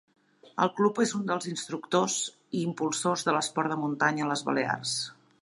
El club és un dels introductors i impulsors de l'esport de muntanya a les Balears.